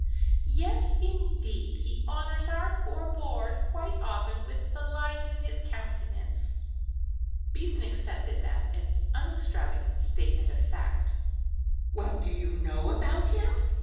"Yes, indeed; he honours our poor board quite often with the light of his countenance." Beason accepted that as unextravagant statement of fact. "Well, do you know about him?"